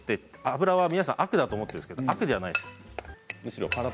油は皆さん悪だと思ってるんですけど悪じゃないですから。